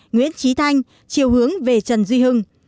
nguyễn trí thanh chiều hướng về trần duy hưng